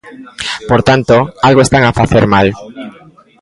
Por tanto, algo están a facer mal.